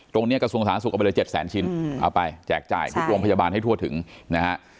กระทรวงสาธารณสุขเอาไปเลย๗แสนชิ้นเอาไปแจกจ่ายทุกโรงพยาบาลให้ทั่วถึงนะฮะ